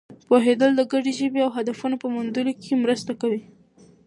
پوهېدل د ګډې ژبې او هدفونو په موندلو کې مرسته کوي.